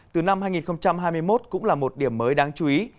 từ năm hai nghìn hai mươi một cũng là một điểm mới đáng chú ý